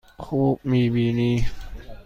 خوب می بینی؟